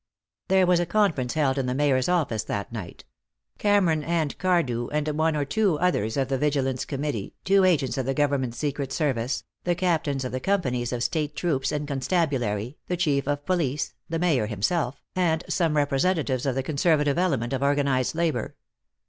There was a conference held in the Mayor's office that night: Cameron and Cardew and one or two others of the Vigilance Committee, two agents of the government secret service, the captains of the companies of state troops and constabulary, the Chief of Police, the Mayor himself, and some representatives of the conservative element of organized labor.